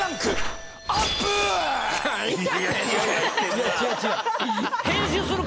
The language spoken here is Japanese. いや違う違う。